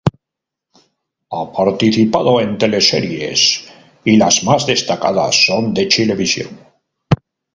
Ha participado en teleseries y las más destacadas son de Chilevisión.